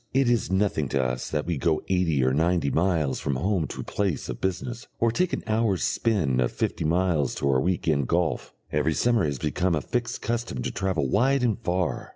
It is nothing to us that we go eighty or ninety miles from home to place of business, or take an hour's spin of fifty miles to our week end golf; every summer it has become a fixed custom to travel wide and far.